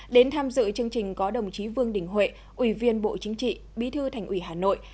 đến tham dự chương trình có đồng chí vương đình huệ ủy viên bộ chính trị bí thư thành ủy hà nội